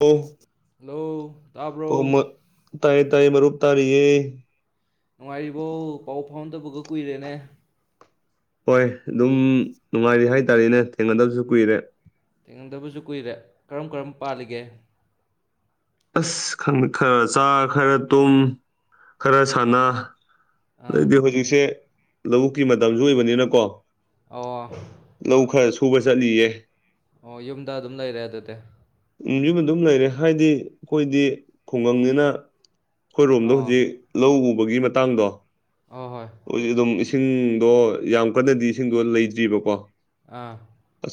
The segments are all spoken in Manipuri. ꯑ ꯅꯧ ꯍ ꯇꯏ ꯇꯏ ꯃꯔꯔꯨꯕ ꯇꯥꯔꯤꯌꯦ ꯅꯨꯡꯉꯥꯏꯔꯤꯕꯣ ꯄꯥꯎ ꯐꯥꯎꯗꯕꯒ ꯀꯨꯏꯔꯦꯅꯦ ꯍꯣꯏ ꯑꯗꯨꯝ ꯅꯨꯡꯉꯥꯏꯔꯤ ꯍꯥꯏꯇꯥꯔꯦꯅꯦ ꯊꯦꯡꯅꯗꯕꯁꯨ ꯀꯨꯏꯔꯦ ꯊꯦꯡꯉꯝꯗꯕꯁꯨ ꯀꯨꯏꯔꯦ ꯀꯔꯝ ꯀꯔꯝꯕ ꯄꯥꯜꯂꯤꯒꯦ ꯑꯁ ꯈꯔ ꯆꯥ ꯈꯔ ꯇꯨꯝ ꯈꯔ ꯁꯥꯟꯅ ꯑꯥ ꯑꯗꯩꯗꯤ ꯍꯧꯖꯤꯛꯁꯦ ꯂꯧꯕꯨꯛꯀꯤ ꯃꯇꯝꯁꯨ ꯑꯣꯏꯕꯅꯤꯅꯀꯣ ꯑꯣ ꯂꯧ ꯈꯔ ꯁꯨꯕ ꯆꯠꯂꯤꯌꯦ ꯑꯣ ꯌꯨꯝꯗ ꯑꯗꯨꯝ ꯂꯩꯔꯦ ꯑꯗꯨꯗꯤ ꯎꯖꯤꯃ ꯑꯗꯨꯝ ꯂꯩꯔꯦ ꯍꯥꯏꯗꯤ ꯑꯩꯈꯣꯏꯗꯤ ꯈꯨꯡꯒꯪꯅꯤꯅ ꯑꯩꯈꯣꯏꯔꯣꯝꯗ ꯑꯣ ꯍꯧꯖꯤꯛ ꯂꯧ ꯎꯕꯒꯤ ꯃꯇꯥꯡꯗꯣ ꯍꯣꯏ ꯍꯣꯏ ꯍꯧꯖꯤꯛ ꯑꯗꯨꯝꯁꯤꯡ ꯏꯁꯤꯡꯗꯣ ꯌꯥꯝ ꯀꯟꯅꯗꯤ ꯏꯁꯤꯡꯗꯣ ꯂꯩꯗ꯭ꯔꯤꯕꯀꯣ ꯑ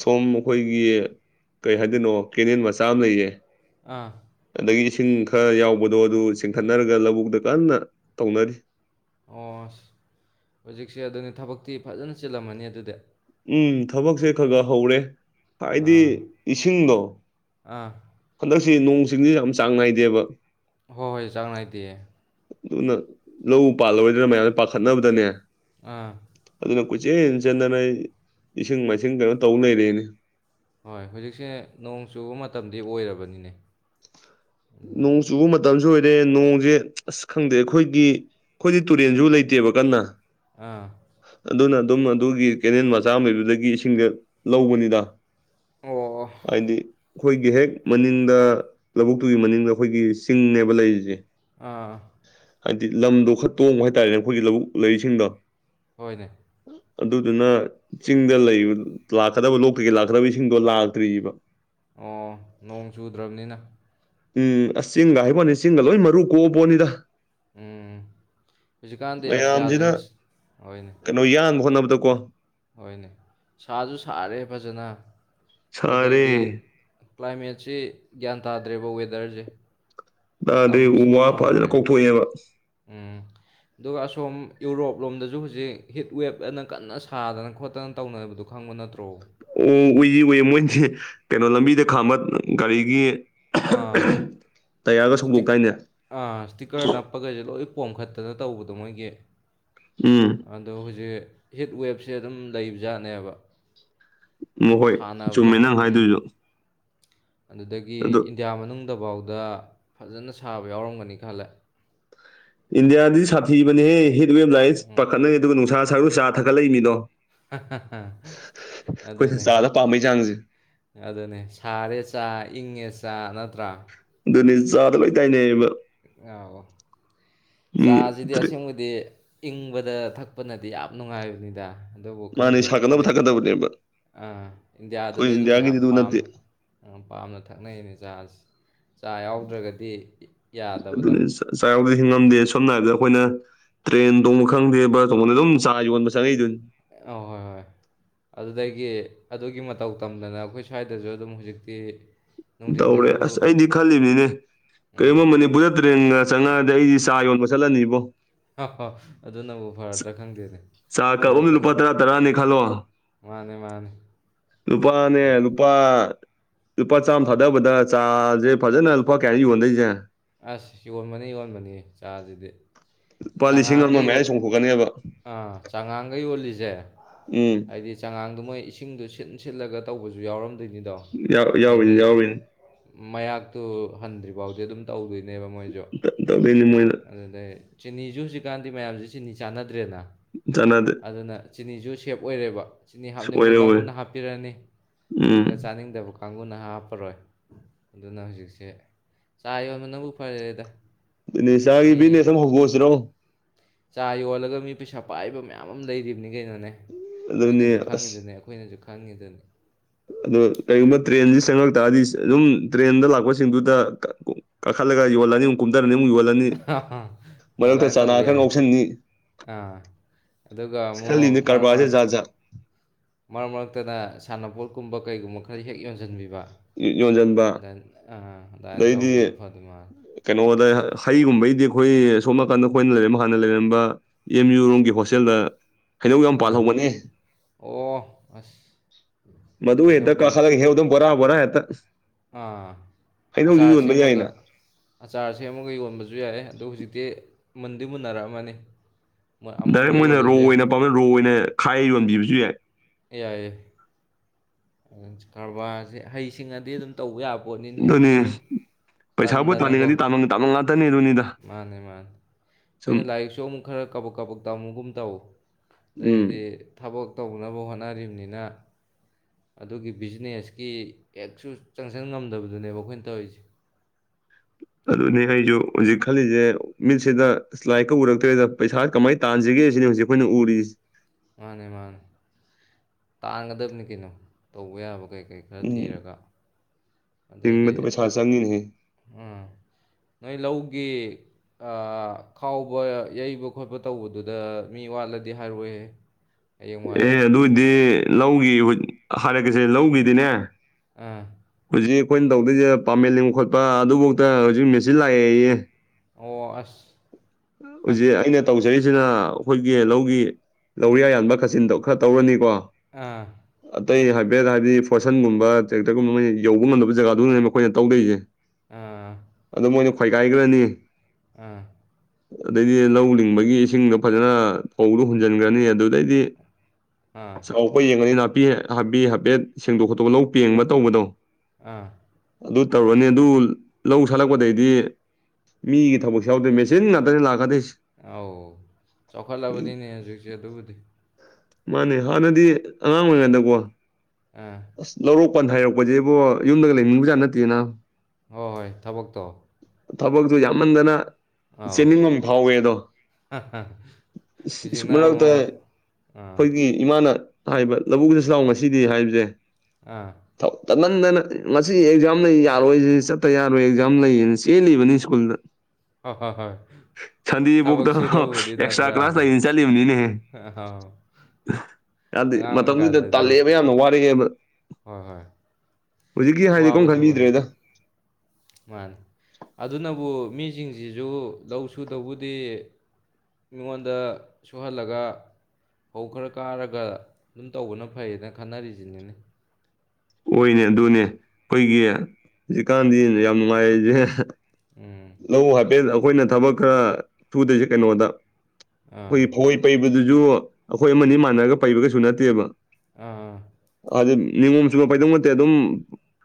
ꯁꯣꯝ ꯑꯩꯈꯣꯏꯒꯤ ꯀꯩ ꯍꯥꯏꯗꯣꯏꯅꯣ ꯀꯦꯅꯦꯜ ꯃꯆꯥ ꯑꯃ ꯂꯩꯌꯦ ꯑꯥ ꯑꯗꯒꯤ ꯏꯁꯤꯡ ꯈꯔ ꯌꯥꯎꯕꯗꯣ ꯑꯗꯨ ꯆꯤꯡꯈꯠꯅꯔꯒ ꯂꯧꯕꯨꯛꯇ ꯀꯟꯅ ꯇꯧꯅꯔꯤ ꯑꯣ ꯑꯁ ꯍꯧꯖꯤꯛꯁꯦ ꯑꯗꯨꯅꯤ ꯊꯕꯛꯇꯤ ꯐꯖꯅ ꯆꯤꯜꯂꯝꯃꯅꯤ ꯑꯗꯨꯗꯤ ꯎꯝ ꯊꯕꯛꯁꯦ ꯈꯔ ꯈꯔ ꯍꯧꯔꯦ ꯍꯥꯏꯗꯤ ꯑꯥ ꯏꯁꯤꯡꯗꯣ ꯑꯥ ꯍꯟꯗꯛ ꯁꯤ ꯅꯣꯡꯁꯤꯡꯁꯤꯁꯨ ꯌꯥꯝ ꯆꯥꯡ ꯅꯥꯏꯗꯦꯕ ꯍꯣꯏ ꯍꯣꯏ ꯆꯥꯡ ꯅꯥꯏꯗꯦꯦ ꯑꯗꯨꯅ ꯂꯧ ꯄꯥꯜꯂꯣꯏꯗꯅ ꯃꯌꯥꯝꯁꯦ ꯄꯥꯈꯠꯅꯕꯗꯅꯦ ꯑꯥ ꯑꯗꯨꯅ ꯀꯣꯏꯆꯦꯟ ꯆꯟꯗꯅ ꯏꯁꯤꯡ ꯃꯥꯏꯁꯤꯡ ꯀꯩꯅꯣ ꯇꯧ ꯂꯩꯔꯦꯅꯦ ꯍꯣꯏ ꯍꯧꯖꯤꯛꯁꯦ ꯅꯣꯡ ꯆꯨꯕ ꯃꯇꯝꯗꯤ ꯑꯣꯏꯔꯕꯅꯤꯅꯦ ꯅꯣꯡ ꯁꯨ ꯃꯇꯝꯁꯨ ꯑꯣꯏꯔꯦ ꯅꯣꯡꯁꯦ ꯑꯁ ꯈꯪꯗꯦ ꯑꯩꯈꯣꯏꯒꯤ ꯑꯩꯈꯣꯏꯗꯤ ꯇꯨꯔꯦꯟꯁꯨ ꯂꯩꯇꯦꯕ ꯀꯟꯅ ꯑꯥ ꯑꯗꯨꯅ ꯑꯗꯨꯝ ꯑꯗꯨꯒꯤ ꯀꯦꯅꯦꯜ ꯃꯆꯥ ꯂꯩꯕꯗꯒꯤ ꯏꯁꯤꯡꯗ ꯂꯧꯕꯅꯤꯗ ꯑꯣ ꯍꯥꯏꯗꯤ ꯑꯩꯈꯣꯏꯒꯤ ꯍꯦꯛ ꯃꯅꯤꯡꯗ ꯂꯧꯕꯨꯛꯇꯨꯒꯤ ꯃꯅꯤꯡꯗ ꯑꯩꯈꯣꯏꯒꯤ ꯆꯤꯡꯅꯦꯕ ꯂꯩꯔꯤꯁꯦ ꯑꯥ ꯍꯥꯏꯕꯗꯤ ꯂꯝꯗꯣ ꯈꯔ ꯇꯣꯡꯕ ꯍꯥꯏꯇꯥꯔꯦꯅꯦ ꯑꯩꯈꯣꯏꯒꯤ ꯂꯧꯕꯨꯛ ꯂꯩꯔꯤꯁꯤꯡꯗꯣ ꯍꯣꯏꯅꯦ ꯑꯗꯨꯗꯨꯅ ꯆꯤꯡꯗ ꯂꯩꯕ ꯂꯥꯛꯀꯗꯕ ꯂꯣꯛꯇꯒꯤ ꯂꯥꯛꯀꯗꯕꯁꯤꯡꯗꯣ ꯂꯥꯛꯇ꯭ꯔꯤꯑꯔꯤꯕ ꯑꯣ ꯅꯣꯡ ꯆꯨꯗ꯭ꯔꯕꯅꯤꯅ ꯎꯝ ꯑꯁ ꯆꯤꯡꯒ ꯍꯥꯏꯕꯅꯤ ꯆꯤꯡꯒ ꯂꯣꯏ ꯃꯔꯨ ꯀꯣꯛꯑꯕꯣꯅꯤꯗ ꯎꯝ ꯍꯧꯖꯤꯛꯀꯥꯟꯗꯤ ꯑꯁ ꯃꯌꯥꯝꯁꯤꯅ ꯌꯥꯗ꯭ꯔꯦꯅꯦ ꯍꯣꯏꯅꯦ ꯑꯗꯨꯀꯣ ꯍꯣꯏꯅꯦ ꯁꯥꯁꯨ ꯁꯥꯔꯦ ꯐꯖꯅ ꯁꯔꯦ ꯑꯗꯨꯗꯩꯗꯤ ꯀ꯭ꯂꯥꯏꯃꯦꯠꯁꯤ ꯒ꯭ꯌꯥꯟ ꯇꯥꯗ꯭ꯔꯦꯕ ꯋꯦꯗꯔꯁꯦ ꯑꯗꯗꯤ ꯇꯝꯕ ꯎ ꯁꯨꯡꯉꯝ ꯋꯥ ꯐꯖꯅ ꯉꯝꯗ꯭ꯔꯦ ꯀꯣꯛꯊꯣꯛꯑꯦꯕ ꯎꯝ ꯑꯗꯨꯒ ꯑꯁꯣꯝ ꯌꯨꯔꯣꯞ ꯂꯣꯝꯗꯁꯨ ꯍꯧꯖꯤꯛ ꯍꯤꯠ ꯋꯦꯞ ꯑꯅ ꯀꯟꯅ ꯁꯥꯗꯅ ꯈꯣꯠꯇꯅ ꯇꯧꯅꯕꯗꯣ ꯈꯪꯕ ꯅꯠꯇ꯭ꯔꯣ ꯑꯣ ꯎꯏꯁꯤ ꯎꯏ ꯃꯣꯏꯁꯦ ꯀꯩꯅꯣ ꯂꯝꯕꯤꯗ ꯈꯥꯝꯕ ꯒꯥꯔꯤꯒꯤ ꯇꯌꯥꯔꯒ ꯑꯥꯤ ꯁꯧꯗꯣꯛꯇꯥꯏꯅꯦ ꯑꯥ ꯏꯁꯇꯤꯀꯔꯅ ꯄꯒꯁꯦ ꯂꯣꯏ ꯄꯣꯝꯈꯠꯇꯅ ꯇꯧꯕꯗꯣ ꯃꯣꯏꯒꯤ ꯎꯝ ꯑꯗꯣ ꯍꯧꯖꯤꯛ ꯍꯤꯠ ꯋꯦꯞꯁꯦ ꯑꯗꯨꯝ ꯂꯩꯕꯖꯥꯠꯅꯦꯕ ꯃꯈꯣꯏ ꯁꯥꯟꯅꯕꯗꯣ ꯆꯨꯝꯃꯦ ꯅꯪ ꯎꯝ ꯍꯥꯏꯗꯣꯏꯁꯨ ꯑꯗꯨꯗꯒꯤ ꯏꯟꯗꯤꯌꯥ ꯃꯅꯨꯡꯗ ꯐꯠꯇꯐꯥꯎꯗ ꯐꯖꯅ ꯁꯥꯕ ꯌꯥꯎꯔꯝꯒꯅꯤ ꯈꯜꯂꯦ ꯏꯟꯗꯤꯌꯥꯗꯤ ꯁꯥꯊꯤꯕꯅꯦꯍꯦ ꯍꯤꯠ ꯋꯦꯕ ꯂꯥꯏꯟ ꯎꯝ ꯄꯥꯈꯠꯅꯅꯤ ꯑꯗꯨꯒ ꯅꯨꯡꯁꯥ ꯁꯔꯨ ꯆꯥ ꯊꯛꯒꯠꯂꯛꯏꯃꯤꯅꯣ ꯑꯩꯈꯣꯏ ꯑꯗꯨꯅꯦ ꯍꯁꯇꯥꯗ ꯄꯥꯝꯝꯕꯩ ꯆꯥꯡꯁꯦ ꯑꯗꯨꯅꯦ ꯁꯥꯔꯦ ꯆꯥ ꯏꯪꯉꯦ ꯆꯥ ꯅꯠꯇ꯭ꯔꯥ ꯑꯗꯨꯅꯦ ꯆꯥꯗ ꯂꯣꯏ ꯇꯥꯏꯅꯩꯑꯕ ꯑ ꯃꯤ ꯆꯥꯁꯤꯗꯤ ꯑꯁꯦꯡꯕꯗꯤ ꯏꯪ ꯕꯗ ꯊꯛꯄꯅꯗꯤ ꯌꯥꯝ ꯅꯨꯡꯉꯥꯏꯕꯅꯤꯗ ꯑꯗꯨꯕꯨ ꯃꯥꯅꯦ ꯈꯪꯗꯦ ꯁꯥꯒꯠꯗꯅꯕ ꯏꯟꯗꯤ ꯊꯥꯀꯗꯕꯅꯦꯝꯕ ꯑꯥ ꯏꯟꯗꯤꯌꯥꯗꯗꯤ ꯑꯗꯨꯝ ꯃꯌꯥꯝ ꯑꯗꯨ ꯄꯥꯝ ꯅꯠꯇꯦ ꯄꯥꯝꯅ ꯊꯛꯅꯩꯅꯦ ꯆꯥꯖꯦ ꯆꯥ ꯌꯥꯎꯗ꯭ꯔꯒꯗꯤ ꯌꯥꯗꯕꯗꯣ ꯑꯗꯨꯅꯦ ꯆꯥ ꯌꯥꯎꯗ꯭ꯔꯗꯤ ꯍꯤꯡꯕ ꯉꯝꯗꯦ ꯁꯝꯅ ꯍꯥꯏꯔꯕꯗ ꯑꯩꯈꯣꯏꯅ ꯇ꯭ꯔꯦꯟ ꯇꯣꯡꯕ ꯈꯪꯗꯦ ꯕꯁ ꯇꯣꯡꯕꯗ ꯑꯗꯨꯝ ꯆꯥ ꯌꯣꯟꯕ ꯆꯪꯉꯛꯏꯗꯨꯅꯤ ꯒꯤ ꯑꯗꯨꯒꯤ ꯃꯇꯧ ꯇꯝꯗꯅ ꯑꯩꯈꯣꯏ ꯁ꯭ꯋꯥꯏꯗꯁꯨ ꯑꯗꯨꯝ ꯍꯧꯖꯤꯛꯇꯤ ꯇꯧꯔꯦ ꯅꯨꯡꯊꯤꯟꯗꯁꯨ ꯑꯁ ꯑꯩꯗꯤ ꯈꯜꯂꯤꯕꯅꯤꯅꯦ ꯎꯝ ꯀꯔꯤꯒꯨꯝꯕ ꯃꯅꯤꯄꯨꯔꯗ ꯇ꯭ꯔꯦꯟꯒ ꯆꯪꯅꯛꯑꯗꯤ ꯑꯩꯗꯤ ꯆꯥ ꯌꯣꯟꯕ ꯆꯠꯂꯅꯤꯕꯣ ꯑꯗꯨꯅꯕꯨ ꯐꯔꯗ꯭ꯔꯥ ꯈꯪꯗꯦꯅꯦ ꯆꯥ ꯀꯞ ꯑꯃꯗ ꯊꯕꯛꯀ ꯂꯨꯄꯥ ꯇꯔꯥ ꯇꯔꯥꯅꯦ ꯈꯜꯂꯣ ꯃꯥꯅꯦ ꯃꯥꯅꯦ ꯂꯨꯄꯥꯅꯦ ꯑꯗꯨ ꯂꯨꯄꯥ ꯂꯨꯄꯥ ꯆꯥꯝ ꯊꯥꯗꯕꯗ ꯆꯥꯖꯦ ꯐꯖꯅ ꯂꯨꯄꯥ ꯀꯌꯥꯅꯣ ꯌꯣꯟꯗꯣꯏꯁꯦ ꯑꯁ ꯌꯣꯟꯕꯅꯤ ꯌꯣꯟꯕꯅꯤ ꯆꯥꯁꯤꯗꯤ ꯂꯨꯄꯥ ꯂꯤꯁꯤꯡ ꯆꯉꯥꯡꯒ ꯑꯃ ꯌꯣ ꯃꯌꯥꯏꯗꯤ ꯆꯣꯡꯊꯣꯛꯀꯅꯤꯕ ꯑꯥ ꯆꯉꯥꯡꯒ ꯌꯣꯜꯂꯤꯖꯦ ꯎꯝ ꯍꯥꯏꯗꯤ ꯆꯉꯥꯡꯗꯣ ꯃꯣꯏ ꯏꯁꯤꯡꯗꯣ ꯁꯤꯟ ꯁꯤꯟꯂꯒ ꯇꯧꯕꯁꯨ ꯌꯥꯎꯔꯝ ꯌꯥ ꯌꯥꯎꯔꯤꯅꯤ ꯌꯥꯎꯔꯤꯅꯤ ꯃꯌꯥꯛꯇꯨ ꯍꯟꯗ꯭ꯔꯤꯚꯥꯎꯗꯤ ꯑꯗꯨꯝ ꯇꯧꯗꯣꯏꯅꯦꯕ ꯃꯣꯏꯖꯨ ꯇꯧꯗꯣꯏꯅꯤ ꯃꯣꯏꯅ ꯑꯗꯨꯗꯩ ꯆꯤꯅꯤꯁꯨ ꯍꯧꯖꯤꯛꯀꯥꯟꯗꯤ ꯃꯌꯥꯝꯖꯦ ꯆꯤꯅꯤ ꯆꯥꯟꯅꯗ꯭ꯔꯦꯅ ꯆꯥꯟꯅꯗꯦ ꯑꯗꯨꯅ ꯆꯤꯅꯤꯁꯨ ꯁꯦꯞ ꯑꯣꯏꯔꯦꯕ ꯆꯤꯅꯤ ꯍꯥꯞꯅꯤꯡꯕ ꯑꯣꯏꯔꯣꯏ ꯀꯥꯡꯒꯨꯅ ꯍꯥꯞꯄꯤꯔꯅꯤ ꯎꯝ ꯑꯗꯨꯒ ꯆꯥꯅꯤꯡꯗꯕ ꯀꯥ ꯀꯥꯡꯕꯨꯨꯅ ꯍꯥꯞꯄꯔꯣꯏ ꯑꯗꯨꯅ ꯍꯧꯖꯤꯛꯁꯦ ꯆꯥ ꯌꯣꯟꯕ ꯅꯪꯕꯨ ꯐꯔꯦꯗ ꯑꯗꯨꯅꯦ ꯃꯤ ꯆꯥꯒꯤ ꯕꯤꯖꯣꯅꯦꯁ ꯑꯃ ꯍꯧꯗꯣꯛ ꯑꯁꯦ ꯆꯥ ꯌꯣꯜꯂꯒ ꯃꯤ ꯄꯩꯁꯥ ꯄꯥꯏꯕ ꯃꯌꯥꯝ ꯑꯃ ꯂꯩꯔꯤꯝꯕꯅꯤ ꯀꯩꯅꯣꯅꯦ ꯑꯗꯨꯅꯦ ꯅꯣꯏꯅꯁꯨ ꯑꯁ ꯈꯪꯉꯤꯗꯨꯅꯤ ꯑꯩꯈꯣꯏꯅꯁꯨ ꯈꯪꯉꯤꯗꯨꯅꯤ ꯑꯗꯣ ꯀꯩꯒꯨꯝꯕ ꯇ꯭ꯔꯦꯟꯖꯤ ꯆꯪꯉꯛ ꯇꯥꯗꯤ ꯑꯗꯨꯝ ꯇ꯭ꯔꯦꯟꯗ ꯂꯥꯛꯄꯁꯤꯡꯗꯨꯗ ꯀꯥꯈꯠꯂꯒ ꯌꯣꯜꯂꯅꯤ ꯑꯃꯨꯛ ꯀꯧꯝꯗꯔꯛ ꯀꯅꯤ ꯑꯃꯨꯛ ꯌꯣꯜꯂꯅꯤ ꯃꯔꯛꯇ ꯑꯗꯨꯃꯥꯏꯅ ꯆꯥꯅꯥ ꯇꯧꯕ ꯈꯔ ꯌꯥꯏ ꯉꯎꯁꯟꯅꯤ ꯑꯥ ꯑꯗꯨꯒ ꯑꯃꯨꯛ ꯃꯔ ꯖꯦ ꯖꯥꯠ- ꯖꯥꯠ ꯃꯔꯛ ꯃꯔꯛꯇꯅ ꯁꯥꯟꯅꯄꯣꯠꯀꯨꯝꯕ ꯀꯩꯒꯨꯝꯕ ꯈꯔ ꯍꯦꯛ ꯌꯣꯟꯖꯟꯕꯤ ꯕꯥ ꯌꯣꯟꯁꯤꯟꯕ [unintelligible] ꯑꯗꯩꯗꯤ ꯀꯩꯅꯣꯗ ꯍꯩꯒꯨꯝꯕꯩꯗꯤ ꯑꯩꯈꯣꯏ ꯑꯁꯣꯝ ꯅꯥꯀꯟꯗ ꯑꯩꯈꯣꯏꯅ ꯂꯩꯔꯝ ꯍꯥꯟꯅ ꯂꯩꯔꯝꯕ ꯑꯦꯝ ꯌꯨ ꯔꯨꯝꯒꯤ ꯍꯣꯁꯇꯦꯜꯗ ꯍꯩꯅꯧ ꯌꯥꯝ ꯑ ꯄꯥꯜꯍꯧꯕꯅꯦ ꯑꯣ ꯑꯁ ꯃꯗꯨꯗꯨ ꯌꯦꯛꯇ ꯍꯩꯅꯧꯗꯨ ꯀꯥꯈꯠꯂ ꯍꯦꯛꯎꯗꯧꯅꯦ ꯕꯣꯔꯥ-ꯕꯣꯔꯥ ꯍꯦꯛꯇ ꯑꯥ ꯍꯩꯅꯧꯁꯨ ꯑꯆꯥꯔ ꯌꯣꯟꯕ ꯁꯦꯝꯃꯒ ꯌꯥꯏꯅ ꯑꯆꯥꯔ ꯁꯦꯝꯃꯒ ꯌꯣꯟꯕꯁꯨ ꯌꯥꯏ ꯑꯗꯨ ꯍꯧꯖꯤꯛꯇꯤ ꯃꯨꯟꯗꯤ ꯃꯨꯟꯅꯔꯛꯑꯃꯅꯤ ꯃꯨꯟ- ꯗꯥꯏꯔꯦꯛ ꯑꯃꯨꯟꯕ ꯃꯣꯏꯅ ꯔꯣ ꯌꯣꯜꯂꯁꯨ ꯌꯥꯏ ꯑꯣꯏꯅ ꯄꯥꯝꯅ ꯔꯣ ꯑꯣꯏꯅ ꯈꯥꯏꯔ ꯌꯣꯟꯕꯤꯕꯁꯨ ꯌꯥꯏ ꯌꯥꯏꯌꯦ ꯀꯔꯕꯥꯔꯖꯦ ꯍꯩꯁꯤꯡꯉꯗꯤ ꯑꯗꯨꯝ ꯇꯧꯕ ꯌꯥꯕ ꯄꯣꯠꯅꯤꯅꯦ ꯑꯗꯨꯅꯤ ꯑꯩꯈꯣꯏꯅ ꯁꯨꯝ ꯄꯩꯁꯥꯕꯨ ꯇꯟꯗꯅꯀꯣ ꯇꯥꯅꯤꯡꯉꯗꯤ ꯇꯥꯟꯚꯝꯒꯤ ꯇꯥꯟꯚꯝ ꯉꯥꯛꯇꯅꯤ ꯑꯗꯨꯅꯤꯗ ꯃꯥꯅꯦ ꯃꯥꯅꯦ ꯁꯨꯝ ꯑꯩꯈꯣꯏꯅ ꯂꯥꯏꯔꯤꯛꯁꯨ ꯑꯃꯨꯛ ꯈꯔ ꯀꯥꯕꯛ ꯀꯥꯕꯛ ꯇꯝꯃꯨꯒꯨꯝ ꯇꯧ ꯎꯝ ꯑꯗꯩꯗꯤ ꯊꯕꯛ ꯇꯧꯅꯕ ꯍꯣꯠꯅꯔꯤꯝꯅꯤꯅ ꯑꯗꯨꯒꯤ ꯕꯤꯖꯤꯅꯦꯁꯀꯤ ꯍꯦꯛꯁꯨ ꯆꯪꯖꯟ ꯉꯝꯗꯕꯗꯨꯅꯦꯕ ꯑꯩꯈꯣꯏꯅ ꯇꯧꯔꯤꯁꯦ [inaudible] ꯑꯗꯨꯅꯦ ꯑꯩꯖꯨ ꯍꯧꯖꯤꯛ ꯈꯜꯂꯤꯁꯦ ꯃꯤꯠꯁꯤꯗ ꯂꯥꯢꯔꯤꯛꯀ ꯎꯔꯛꯇ꯭ꯔꯦꯗ ꯄꯩꯁꯥ ꯀꯃꯥꯏꯅ ꯇꯥꯟꯁꯤꯒꯦ ꯁꯤꯅꯤꯛ ꯍꯧ ꯑꯩꯈꯣꯏꯅ ꯎꯔꯤꯖꯦ ꯃꯥꯅꯦ ꯃꯥꯅꯦ ꯇꯥꯡꯒꯗꯕꯅꯤ ꯀꯩꯅꯣ ꯇꯧꯕ ꯌꯥꯕ ꯀꯩ ꯀꯩ ꯈꯔ ꯎꯝ ꯊꯤꯔꯒ ꯑꯗꯩꯗꯤ ꯍꯤꯡꯕꯗ ꯄꯩꯁꯥ ꯆꯪꯉꯤꯅꯦꯍꯦ ꯎꯝ ꯅꯣꯏ ꯂꯧꯒꯤ ꯈꯥꯎꯕ ꯌꯩꯕ ꯈꯣꯠꯄ ꯇꯧꯕꯗꯨꯗ ꯃꯤ ꯋꯥꯠꯂꯗꯤ ꯍꯥꯏꯔꯣꯏꯍꯦ ꯑꯦ ꯑꯗꯨꯏꯗꯤ ꯂꯧꯒꯤ ꯍꯥꯏꯔꯛꯀꯁꯦ ꯂꯧꯒꯤꯗꯤꯅꯦ ꯑ ꯍꯧꯖꯤꯛ ꯑꯩꯈꯣꯏꯅ ꯇꯧꯗꯣꯏꯁꯦ ꯄꯥꯝꯜꯂꯤꯕ ꯈꯣꯠꯄ ꯑꯗꯨꯐꯧꯗ ꯍꯧꯖꯤꯛ ꯃꯦꯆꯤꯟ ꯂꯥꯛꯑꯦ ꯑꯩꯌꯦ ꯑꯣ ꯑꯁ ꯍ, ꯍꯧꯖꯤꯛ ꯑꯩꯅ ꯇꯧꯖꯩ ꯁꯤꯅ ꯑꯩꯈꯣꯏꯒꯤ ꯂꯧꯒꯤ ꯂꯧꯔꯤꯌꯥ ꯌꯥꯟꯕ ꯈꯥꯆꯤꯟꯗ ꯈꯔ ꯇꯧꯔꯅꯤꯀꯣ ꯑꯝ ꯑꯇꯩ ꯍꯥꯏꯐꯦꯠ ꯍꯥꯏꯕꯗꯤ ꯐꯣꯔꯁꯟꯒꯨꯝꯕ ꯇ꯭ꯔꯦꯛꯇꯔꯒꯨꯝꯕ ꯃꯣꯏꯅ ꯌꯧꯕ ꯉꯝꯗ ꯖꯒꯥꯗꯨꯅ ꯃꯈꯣꯏꯅ ꯇꯧꯗꯣꯏꯔꯤꯁꯦ ꯑ ꯐꯣꯏꯒꯥꯏꯈ꯭ꯔꯅꯤ ꯑꯝ ꯑꯗꯩꯗꯤ ꯂꯧ ꯂꯤꯡꯕꯒꯤ ꯏꯁꯤꯡꯗꯣ ꯐꯖꯅ ꯐꯧꯗꯣ ꯍꯨꯟꯖꯤꯟꯈ꯭ꯔꯅꯤ ꯑꯗꯨꯗꯩꯗꯤ ꯑꯥ ꯆꯥꯎꯄ ꯌꯦꯡꯉꯅꯤ ꯅꯥꯄꯤ ꯍꯥꯕꯤ ꯍꯥꯏꯐꯦꯠ ꯁꯦꯡꯗꯣꯛ ꯈꯣꯠꯇꯣꯛ ꯂ ꯄꯦꯡꯕ ꯇꯧꯕꯗꯣ ꯑꯥ ꯑꯗꯨ ꯇꯧꯔꯛꯅꯤ ꯑꯗꯨ ꯂꯧ ꯁꯥꯠꯂꯛꯄꯗꯩꯗꯤ ꯃꯤꯒꯤ ꯊꯕꯛ ꯌꯥꯎꯗꯣꯏ ꯃꯦꯆꯤꯟ ꯉꯥꯛꯇꯗꯤ ꯂꯥꯛꯀꯗꯣꯏ ꯑꯧ ꯆꯥꯎꯈꯠꯂꯕꯗꯤꯅꯦ ꯍꯧꯖꯤꯛꯁꯦ ꯑꯗꯨꯕꯨꯗꯤ ꯃꯥꯅꯦ ꯍꯥꯟꯅꯗꯤ ꯑꯉꯥꯡ ꯑꯣꯏꯔꯤꯉꯩꯗꯀꯣ ꯑꯥ ꯑꯁ ꯂꯧꯔꯣꯛꯄꯥꯟ ꯍꯥꯏꯔꯛꯄꯁꯦꯕꯣ ꯌꯨꯝꯗꯒ ꯂꯩꯅꯤꯡꯕꯖꯥꯠ ꯅꯠꯇꯦꯅ ꯍꯣꯏ ꯍꯣꯏ ꯊꯕꯛꯇꯣ ꯊꯕꯛꯁꯨ ꯌꯥꯝꯃꯟꯗꯅ ꯑꯧ ꯆꯦꯟꯅꯤꯡꯕ ꯑꯃ ꯐꯥꯎꯋꯦ ꯑꯗꯣ ꯁ ꯍꯧꯖꯤꯛꯅ ꯃꯔꯛꯇ ꯑꯃꯨꯛ ꯑꯥ ꯑꯩꯈꯣꯏꯒꯤ ꯏꯃꯥꯅ ꯍꯥꯏꯕ ꯂꯧꯕꯨꯗ ꯂꯥꯎ ꯉꯁꯤꯗꯤ ꯍꯥꯏꯕꯁꯦ ꯑ ꯇꯠꯍꯟꯗꯅ ꯉꯁꯤ ꯑꯦꯛꯖꯥꯝ ꯂꯩ ꯌꯥꯔꯣꯏꯁꯤ ꯆꯠꯇ ꯌꯥꯔꯣꯏ ꯑꯦꯛꯖꯥꯝ ꯂꯩꯌꯦꯅ ꯆꯦꯜꯂꯤꯕꯅꯤ ꯁ꯭ꯀꯨꯜꯗ ꯑ ꯍꯣ ꯍꯣꯏ ꯁꯟꯗꯤꯒꯤ ꯊꯕꯛ ꯕꯨꯛꯇꯣ ꯁꯨꯗꯧꯕꯗꯤ ꯑꯦꯛꯁꯇ꯭ꯔꯥ ꯀ꯭ꯂꯥꯁ ꯅꯠꯇ꯭ꯔꯅ ꯂꯩꯅ ꯆꯠꯂꯤꯕꯅꯤꯅꯦꯍ ꯑꯧ ꯌꯥꯗꯗꯤ ꯑꯉꯥꯡ ꯃꯇꯝꯗꯨꯗ ꯑꯣꯏꯔꯤꯀꯥꯟꯗꯗꯤ ꯇꯥꯜꯂꯛꯑꯦꯕ ꯌꯥꯝꯅ ꯋꯥꯔꯛꯑꯦꯕ ꯍꯣꯏ ꯍꯣꯏ ꯍꯧꯖꯤꯛꯀꯤ ꯍꯥꯏꯗꯤ ꯋꯥꯕ ꯀꯝ ꯊꯕꯛꯅꯤꯗ ꯈꯟꯕꯤꯗ꯭ꯔꯦꯗ ꯃꯥꯅꯤ ꯑꯗꯨꯅꯕꯨ ꯃꯤꯁꯤꯡꯁꯤꯁꯨ ꯂꯧ ꯁꯨꯗꯧꯕꯗꯤ ꯃꯤꯉꯣꯟꯗ ꯁꯨꯍꯜꯂꯒ ꯍꯧ ꯈꯔ ꯀꯥꯔꯒ ꯑꯗꯨꯝ ꯇꯧꯕꯅ ꯐꯩꯌꯦꯅ ꯈꯟꯅꯔꯤꯁꯤꯅꯦꯅꯦ ꯑꯣꯏꯅꯦ ꯑꯗꯨꯅꯦ ꯑꯩꯈꯣꯏꯒꯤ ꯍꯧꯖꯤꯛꯀꯥꯟꯗꯤ ꯌꯥꯝ ꯅꯨꯡꯉꯥꯏꯁꯦ ꯎꯝ ꯂꯧ ꯍꯥꯏꯐꯦꯠ ꯑꯩꯈꯣꯏꯅ ꯊꯕꯛ ꯈꯔ ꯁꯨꯗꯣꯏꯁꯦ ꯀꯩꯅꯣꯗ ꯑꯥ ꯑꯩꯈꯣꯏꯒꯤ ꯐꯋꯥꯏ ꯄꯩꯕꯗꯨꯁꯨ ꯑꯩꯈꯣꯏ ꯑꯃꯅꯤ ꯃꯥꯟꯅꯔꯒ ꯄꯩꯕ ꯀꯩꯁꯨ ꯅꯠꯇꯦꯕ ꯑꯥ ꯑ ꯄꯩꯗꯧ ꯅꯠꯇꯦ ꯑꯗꯨꯝ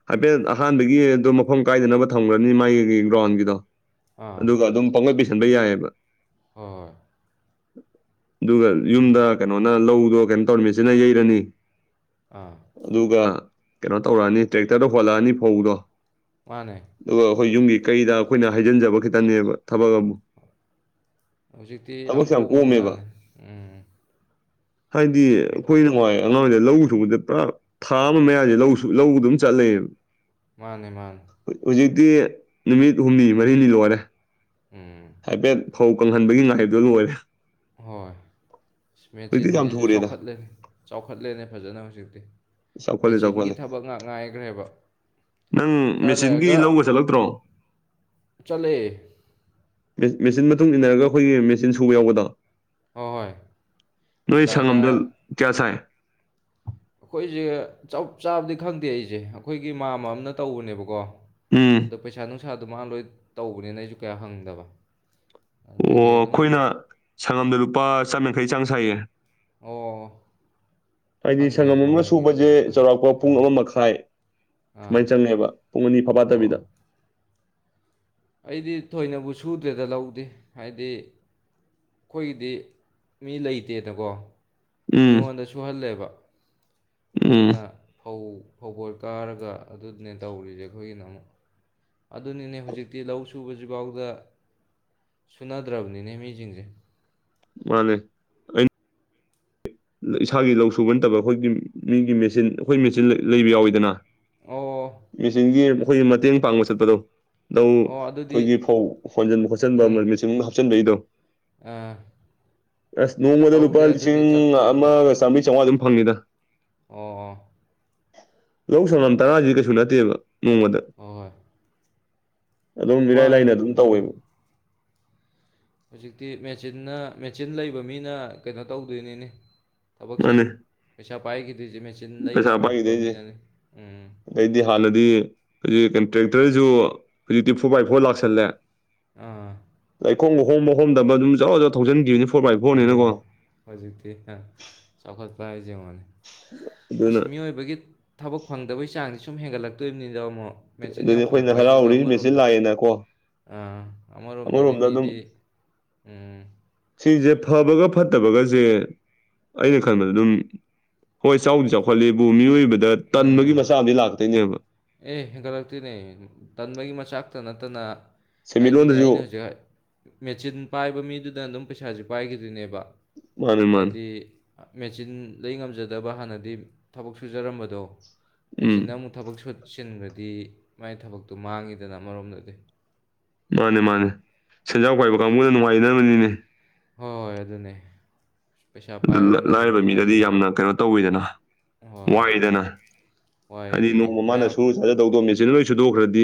ꯍꯥꯏꯐꯦꯠ ꯑꯍꯥꯟꯕꯒꯤꯗꯣ ꯃꯐꯝ ꯀꯥꯏꯗꯅꯕ ꯊꯝꯈ꯭ꯔꯅꯤ ꯃꯥꯒꯤꯒꯤ ꯒ꯭ꯔꯥꯎꯟꯒꯤꯗꯣ ꯑꯥ ꯑꯗꯨꯒ ꯑꯗꯨꯝ ꯄꯥꯡꯒꯠ ꯄꯁꯤꯟꯕ ꯌꯥꯏꯑꯕ ꯍꯣꯏ ꯑꯗꯨꯒ ꯍꯣꯏ ꯑꯗꯨ- ꯌꯨꯝꯗ ꯀꯩꯅꯣꯅ ꯂꯧꯗꯣ ꯀꯩꯅꯣ ꯇꯧꯔꯃꯤꯁꯤꯅ ꯌꯩꯔꯅꯤ ꯑꯥ ꯑꯗꯨꯒ ꯀꯩꯅꯣ ꯇꯧꯔꯛꯑꯅꯤ ꯇ꯭ꯔꯦꯛꯇꯔꯗ ꯍꯣꯜꯂꯛꯑꯅꯤ ꯐꯧꯗꯣ ꯃꯥꯅꯦ ꯑꯗꯨꯒ ꯑꯩꯈꯣꯏ ꯌꯨꯝꯒꯤ ꯀꯩꯗ ꯑꯩꯈꯣꯏꯅ ꯍꯥꯏꯖꯤꯟꯖꯕ ꯈꯤꯇꯅꯦꯕ ꯊꯕꯛ ꯑꯃꯨꯛ ꯍꯧꯖꯤꯛꯇꯤ ꯌꯥꯝ ꯊꯕꯛꯁꯦ ꯀꯣꯝꯕ ꯀꯣꯝꯃꯦꯕ ꯃꯖꯥꯠꯅꯦ ꯎꯝ ꯍꯥꯏꯗꯤ ꯃꯦ- ꯑꯩꯈꯣꯏꯅ ꯍꯏ ꯑꯉꯥꯡꯩꯗ ꯂꯧ ꯁꯨꯕꯗ ꯄꯨꯔꯥ ꯑꯥꯝꯕ ꯃꯌꯥꯝꯁꯦ ꯂꯧꯁꯨ ꯂꯧ ꯑꯗꯨꯝ ꯆꯠꯂꯦꯕ ꯃꯥꯅꯦ ꯃꯥꯅꯦ ꯤ ꯅꯨꯃꯤꯠ ꯍꯨꯝꯅꯤ ꯃꯔꯤꯅꯤ ꯂꯣꯏꯔꯦ ꯎꯝ ꯍꯥꯏꯐꯦꯠ ꯐꯧ ꯀꯪꯍꯟꯕꯒꯤ ꯉꯥꯏꯍꯩꯕꯗꯨꯣ ꯂꯣꯏꯔꯦ ꯍꯣꯏ ꯍꯧꯖꯤꯛꯇꯤ ꯌꯥꯝ ꯃꯦꯆꯤꯟꯁꯤꯁꯨ ꯊꯨꯔꯦꯗ ꯆꯥꯎꯈꯠꯂꯦ ꯆꯥꯎꯈꯠꯂꯦꯅꯦ ꯐꯖꯅ ꯍꯧꯖꯤꯛꯇꯤ ꯆꯥꯎꯈꯠꯂꯤ ꯃꯦꯆꯤꯟꯒꯤ ꯆꯥꯎꯈꯠꯂꯤ ꯊꯕꯛ ꯉꯥꯛ ꯉꯥꯏꯈ꯭ꯔꯦꯕ ꯅꯪ ꯈꯔ ꯃꯦꯆꯤꯟꯒꯤ ꯂꯧꯕ ꯆꯠꯂꯛꯇ꯭ꯔꯣ [inaudible] ꯆꯂꯦ ꯃꯦꯆꯤꯟ ꯃꯇꯨꯡ ꯏꯟꯅꯔꯒ ꯑꯩꯈꯣꯏꯒꯤ ꯃꯦꯆꯤꯟ ꯁꯨꯕ ꯌꯥꯎꯕꯗ ꯍꯣꯏ ꯍꯣꯏ ꯅꯣꯏ ꯑꯗꯨꯃꯥꯏꯅ ꯁꯪꯉꯝꯗ ꯀꯌꯥ ꯁꯥꯏ ꯑꯩꯈꯣꯏꯁꯦ ꯆꯞ ꯆꯥꯕꯗꯤ ꯈꯪꯗꯦ ꯑꯩꯁꯦ ꯑꯩꯈꯣꯏꯒꯤ ꯃꯥꯃ ꯑꯝꯅ ꯇꯧꯕꯅꯦꯕꯀꯣ ꯎꯝ ꯑꯗꯣ ꯄꯩꯁꯥ ꯅꯨꯡꯁꯥꯗꯣ ꯃꯥ ꯂꯣꯏ ꯇꯧꯕꯅꯤꯅ ꯑꯩꯁꯨ ꯀꯌꯥ ꯍꯪꯗꯕ ꯑꯣ ꯑꯗꯒꯤ ꯑꯗꯨꯝ ꯑꯩꯈꯣꯏꯅ ꯁꯪꯉꯝꯗ ꯂꯨꯄꯥ ꯆꯥ ꯃꯡꯈꯩ ꯆꯥꯡ ꯁꯥꯏꯌꯦ ꯑꯣ ꯍꯥꯏꯗꯤ ꯈꯪꯗꯦ ꯑꯩꯗꯤ ꯁꯪꯉꯝ ꯑꯃ ꯃꯃꯜꯒꯤꯗꯤ ꯁꯨꯕꯁꯦ ꯀꯌꯥ ꯈꯪꯗꯦ ꯆꯥꯎꯔꯥꯛꯄ ꯄꯨꯡ ꯑꯥ ꯑꯃ ꯃꯈꯥꯏ ꯑꯥ ꯁꯨꯃꯥꯏꯅ ꯆꯪꯉꯦꯕ ꯄꯨꯡ ꯑꯅꯤ ꯑꯣ ꯐꯕꯥꯠꯇꯕꯤꯗ ꯑꯩꯗꯤ ꯊꯣꯏꯅꯕꯨ ꯁꯨꯗ꯭ꯔꯦꯗ ꯂꯧꯗꯦ ꯍꯥꯏꯗꯤ ꯑꯩꯈꯣꯏꯒꯤꯗꯤ ꯃꯤ ꯂꯩꯇꯦꯗꯀꯣ ꯎꯝ ꯃꯤꯉꯣꯟꯗ ꯁꯨꯍꯜꯂꯦꯕ ꯎꯝ ꯑꯗꯨꯅ ꯐꯧ ꯐꯧꯕꯣ ꯀꯥꯔꯒ ꯑꯗꯨꯅꯦ ꯇꯧꯔꯤꯁꯦ ꯑꯩꯈꯣꯏꯒꯤꯅ ꯑꯃꯨꯛ ꯑꯗꯨꯅꯤꯅꯦ ꯍꯧꯖꯤꯛꯇꯤ ꯂꯧ ꯁꯨꯕꯁꯤꯐꯥꯎꯗ ꯁꯨꯅꯥꯗ꯭ꯔꯥꯎꯅꯤꯅꯦ ꯃꯤꯖꯤꯤꯡꯁꯦ ꯃꯥꯅꯦꯦ ꯑ ꯏꯁꯥꯒꯤ ꯂꯧ ꯁꯨꯕ ꯅꯠꯇꯕ ꯑꯩꯈꯣꯏꯒꯤ ꯃꯤꯒꯤ ꯃꯦꯆꯤꯟ ꯑꯩꯈꯣꯏ ꯃꯦꯆꯤꯟ ꯂꯩꯕ ꯌꯥꯎꯋꯤꯗꯅ ꯑꯣ ꯃꯦꯆꯤꯟꯒꯤ ꯑꯩꯈꯣꯏ ꯃꯇꯦꯡ ꯄꯥꯡꯕ ꯆꯠꯄꯗꯣ ꯅꯧ ꯑꯣ ꯑꯗꯨꯗꯤ ꯑꯩꯈꯣꯏꯒꯤ ꯐꯧ ꯍꯣꯟꯖꯟꯕ ꯈꯣꯠꯆꯟꯕ ꯑꯃ ꯎꯝ ꯃꯦꯆꯤꯡ ꯍꯥꯞꯆꯤꯟꯕꯒꯤꯗꯣ ꯑꯥ ꯁ ꯅꯣꯡ ꯃ ꯂꯄꯥ ꯇꯧꯗꯦ ꯂꯤꯁꯤꯡ ꯑꯗꯨꯗꯤ ꯆꯠꯇ꯭ꯔꯤ ꯑꯝꯇ ꯁ ꯆ ꯐꯅꯤꯗ ꯑꯣ ꯍ ꯂꯧ ꯁꯪꯝ ꯇꯔꯥꯁꯤ ꯀꯩꯁꯨ ꯅꯠꯇꯦꯕ ꯅꯣꯡꯃꯗ ꯍꯣꯏ ꯍꯣꯏ ꯑꯗꯨꯝ ꯏꯔꯥꯏ ꯃꯥꯅꯤ ꯂꯥꯏꯅ ꯑꯗꯨꯝ ꯑꯗꯨꯅꯤ ꯇꯧꯋꯦꯕ ꯍꯧꯖꯤꯛꯇꯤ ꯃꯦꯆꯤꯟꯅ ꯃꯦꯆꯤꯟ ꯂꯩꯕ ꯃꯤꯅ ꯀꯩꯅꯣ ꯇꯧꯗꯣꯏꯅꯤꯅꯤ ꯊꯕꯛꯁꯦ ꯃꯥꯅꯦ ꯄꯁꯥ ꯄꯥꯏ ꯀ ꯔꯤꯖꯤ ꯃꯦꯆꯤꯟ ꯂꯩ ꯄꯩꯁꯥ ꯉꯝꯝꯕꯄ ꯄꯥꯏꯈꯤꯗꯣꯏꯁꯦ ꯃꯤꯅꯅꯤ ꯎꯝ ꯑꯩꯗꯤ ꯍꯥꯟꯅꯗꯤ ꯍꯧꯖꯤꯛ ꯀꯟꯇ꯭ꯔꯦꯛꯇꯔꯁꯨ ꯍꯧꯖꯤꯛꯇꯤ ꯐꯣꯔ ꯕꯥꯏ ꯐꯣꯔ ꯂꯥꯛꯁꯜꯂꯦ ꯑꯥ ꯑꯩꯈꯣꯡꯕ ꯍꯣꯣꯡꯕ ꯍꯣꯡꯗꯕ ꯑꯗꯨꯝꯖꯔꯖꯔ ꯊꯧꯖꯟꯈꯤꯕꯅꯤ ꯑꯗꯨꯅꯦ ꯍꯧꯖꯤꯛꯇꯤ ꯆꯥꯎꯈꯠꯄ ꯍꯥꯏ ꯌꯦꯉꯅꯤ ꯑꯁ ꯑꯗꯨꯅ ꯃꯤꯑꯣꯏꯕꯒꯤ ꯊꯕꯛ ꯐꯪꯗꯕꯩ ꯆꯥꯡꯗꯤ ꯁꯨꯝ ꯍꯦꯟꯒꯠꯂꯛꯇꯣꯕꯅꯤꯗ ꯑꯃꯃꯣ ꯑꯗꯨꯅꯤ ꯑꯩꯈꯣꯏꯅ ꯍꯔꯥꯎꯔꯤ ꯃꯠꯁꯤ ꯂꯥꯛꯑꯦꯅꯀꯣ ꯑꯥ ꯑꯃꯔꯣꯝꯗꯗꯤ ꯑꯃꯔꯣꯝꯗ ꯑꯗꯨꯝ ꯃꯤꯗꯤ ꯎꯝ ꯁꯤꯁꯦ ꯐꯕꯒ ꯐꯠꯇꯕꯒꯁꯦ ꯑꯩꯅ ꯈꯟꯕꯗ ꯑꯗꯨꯝ ꯍꯣꯏ ꯆꯥꯎꯗꯤ ꯆꯥꯎꯈꯠꯂꯦꯕꯨ ꯃꯤꯑꯣꯏꯕꯗ ꯎꯝ ꯇꯟꯕꯒꯤ ꯃꯆꯥꯗꯤ ꯂꯥꯛꯇꯣꯏꯅꯦꯕ ꯑꯦ ꯍꯦꯟꯒꯠꯂꯛꯇꯣꯏꯅꯦ ꯇꯟꯕꯒꯤ ꯃꯆꯥꯛꯇ ꯅꯠꯇꯅ ꯍꯥꯏꯗꯤꯅꯦ ꯁꯦꯟꯃꯤꯠꯂꯣꯟꯗꯁꯨ ꯑꯩꯅ ꯍꯧꯖꯤꯛ ꯃꯦꯆꯤꯟ ꯄꯥꯏꯕ ꯃꯤꯗꯨꯅ ꯑꯗꯨꯝ ꯄꯩꯁꯥꯥꯁ ꯄꯥꯏꯈꯤꯗꯣꯏꯅꯦꯕ ꯃꯥꯅꯦ ꯃꯥꯅꯦ ꯍꯥꯏꯗꯤ ꯃꯦꯆꯤꯟ ꯂꯩ ꯉꯝꯖꯗꯕ ꯍꯥꯟꯅꯗꯤ ꯊꯕꯛ ꯁꯨꯖꯔꯝꯕꯗꯣ ꯎꯝ ꯃꯦꯆꯤꯟꯅ ꯑꯃꯨꯛ ꯊꯕꯛ ꯁꯤꯟꯈ꯭ꯔꯗꯤ ꯃꯥꯏ ꯊꯕꯛꯇꯨ ꯃꯥꯡꯉꯤꯗꯅ ꯑꯃꯔꯣꯝꯗꯗꯤ ꯃꯥꯅꯦ ꯃꯥꯅꯦ ꯁꯦꯟꯖꯥꯎ ꯀꯥꯏꯕ ꯀꯥꯡꯕꯨꯅ ꯅꯨꯡꯉꯥꯏꯅꯕꯅꯤꯅꯦ ꯍꯣꯏ ꯍꯣꯏ ꯑꯗꯨꯅꯦ ꯄꯩꯁꯥ ꯑꯗꯨ ꯄꯥꯏꯔꯒꯅ ꯑꯗꯨꯝ ꯂꯥꯏꯔꯕ ꯃꯤꯗꯗꯤ ꯅꯨꯡꯉꯥꯏꯒꯗꯧꯕ ꯌꯥꯝꯅ ꯀꯩꯅꯣ ꯇꯧꯋꯤꯗꯅ ꯍꯣꯏ ꯍꯣꯏ ꯋꯥꯏꯗꯅ ꯋꯥꯏ ꯍꯥꯏꯗꯤ ꯑꯗꯨꯅꯤ ꯅꯣꯡꯃ ꯃꯌꯥꯝ ꯃꯥꯅꯁꯨꯨ ꯆꯥꯖꯗꯧꯗꯣ ꯃꯦꯆꯤꯟꯅ ꯂꯣꯏ ꯁꯨꯗꯣꯛꯈ꯭ꯔꯗꯤ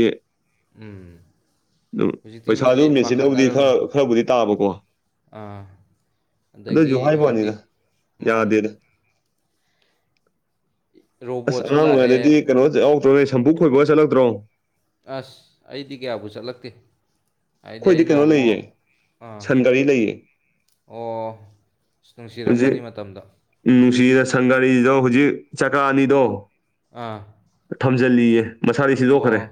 ꯎꯝ ꯍꯧꯖꯤꯛꯇꯤ ꯄꯩꯁꯥꯗꯨ ꯃꯤꯁꯦ ꯃꯦꯆꯤꯟꯅꯕꯨꯗꯤ ꯄꯥꯈꯠꯅꯔꯕꯅꯤ ꯈꯔ ꯈꯔꯕꯨꯗꯤ ꯇꯥꯕꯀꯣ ꯑꯥ ꯑꯗꯒꯤ ꯍꯧꯖꯤꯛꯇꯤ ꯃꯥꯅꯦ ꯌꯥꯗꯅ ꯑꯁ ꯔꯣꯕꯣꯠꯁꯨ ꯑꯉꯥꯡ ꯑꯣꯏꯔꯤꯉꯩꯗꯗꯤ ꯂꯥꯛꯑꯦ ꯀꯩꯅꯣ ꯌꯥꯎꯗ꯭ꯔꯣ ꯅꯣꯏ ꯁꯝꯕꯨꯨ ꯈꯣꯏꯕꯒ ꯆꯠꯂꯛꯇ꯭ꯔꯣ ꯑꯁ ꯑꯩꯗꯤ ꯀꯌꯥꯕꯨ ꯆꯠꯂꯛꯇꯦ ꯍꯥꯏꯗꯤ ꯑꯩꯈꯣꯏꯗꯤ ꯑꯩꯅ ꯀꯩꯅꯣ ꯂꯩꯌꯦ ꯑꯃꯨꯛ ꯑꯥ ꯁꯟꯒꯥꯔꯤ ꯂꯩꯌꯦ ꯑꯣ ꯑꯁ ꯍꯧꯖꯤꯛ ꯅꯨꯡꯁꯤꯔꯝꯒꯅꯤ ꯃꯇꯝꯗ ꯅꯨꯡꯁꯤꯅ ꯁꯪꯒꯥꯔꯤꯗꯣ ꯍꯧꯖꯤꯛ ꯆꯀꯥ ꯑꯅꯤꯗꯣ ꯑ ꯂꯤꯦ ꯑꯣ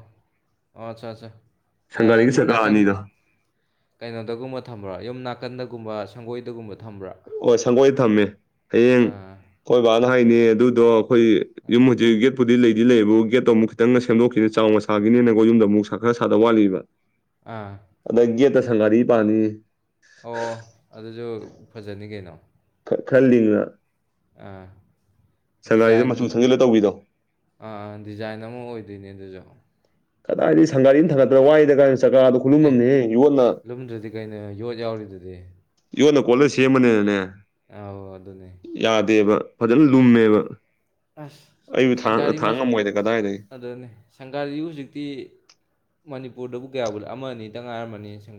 ꯑꯆꯥ ꯑꯆꯥ ꯁꯪꯒꯥꯔꯤꯒꯤ ꯆꯀꯥ ꯅꯥꯀꯟ ꯑꯅꯤꯗꯣ ꯀꯩꯅꯣꯗꯒꯨꯝꯕ ꯊꯝꯕ꯭ꯔꯣ ꯌꯨꯝ ꯅꯥꯀꯟꯗꯒꯨꯝꯕ ꯁꯪꯒꯣꯏꯗꯒꯨꯝꯕ ꯊꯝꯕ꯭ꯔꯥ ꯍ ꯁꯪꯒꯣꯏꯗ ꯊꯝꯃꯦ ꯍꯌꯦꯡ ꯑꯥ ꯀꯣꯏ ꯕꯥꯅ ꯍꯥꯏꯅꯤ ꯑꯗꯨꯗꯣ ꯑꯩꯈꯣꯏ ꯌꯨꯝ ꯍꯧꯖꯤꯛꯒꯤ ꯐꯨꯗꯤ ꯂꯩꯗꯤ ꯂꯩꯌꯦꯕꯨ ꯒꯦꯠꯇꯣ ꯑꯃꯨꯛ ꯈꯤꯇꯪ ꯁꯦꯝꯗꯣꯛꯈꯤꯅꯦ ꯆꯥꯎ ꯃꯁꯥꯒꯤꯅꯤꯅꯀꯣ ꯌꯨꯝꯗ ꯑꯃꯨꯛ ꯈꯔ ꯁꯥꯗ ꯋꯥꯠꯂꯤꯕ ꯑꯥ ꯑꯗꯒꯤ ꯇ ꯁꯪꯒꯥꯔꯤ ꯄꯅꯤ ꯑꯣ ꯑꯗꯨꯁꯨ ꯐꯖꯅꯤ ꯀꯩꯅꯣ ꯈꯜꯗꯤ ꯗꯤꯖꯥꯏꯟ ꯃꯆꯨ ꯁꯪꯖꯤꯜꯂ ꯇꯧꯕꯤꯗꯣ ꯑꯥ ꯗꯤꯖꯥꯏꯟ ꯇꯥꯃꯣ ꯑꯣꯏꯗꯣꯏꯅꯦ ꯑꯗꯨꯁꯨ ꯀꯗꯥꯏꯗꯤ ꯁꯪꯒꯥꯔꯤꯅ ꯊꯪꯒꯗ꯭ꯔꯣ ꯋꯥꯏꯗ ꯀ ꯑꯦ ꯂꯨꯝꯗ꯭ꯔꯗꯤ ꯀꯩꯅꯣ ꯌꯣꯠ ꯌꯥꯎꯔꯤꯗꯨꯗꯤ ꯌꯣꯟ ꯅ ꯀꯂ ꯁꯦꯝꯃꯅꯤ ꯅꯅꯦ ꯑ ꯑꯗꯨ ꯑꯗꯨꯅꯦ ꯐꯖꯅ ꯂꯨꯝꯃꯦꯕ ꯑꯁ ꯑꯩꯕꯨ ꯊꯥꯡ ꯁꯪꯒꯥꯔꯤ ꯊꯥꯡ ꯃꯆꯥ ꯉꯝꯃꯣꯏꯗ ꯀꯗꯥꯏ ꯑꯗꯨꯅꯦ ꯁꯪꯒꯥꯥꯔꯁꯤ ꯍꯧꯖꯤꯛꯇꯤꯅꯤ ꯄꯣꯔꯗꯕꯨ ꯀꯌꯥꯕꯨ ꯑꯃꯅꯤ ꯑ ꯇꯪꯉꯥꯏꯔꯝꯅꯤ